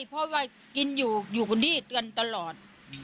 เพราะว่ากินอยู่อยู่ดีตกันตลอด